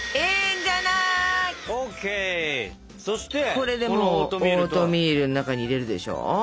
これでもうオートミールの中に入れるでしょ。